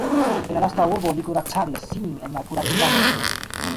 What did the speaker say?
En la lasta urbo li kuracadis sin en la kuracbanejo.